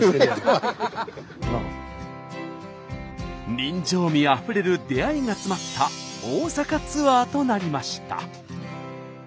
人情味あふれる出会いが詰まった大阪ツアーとなりました。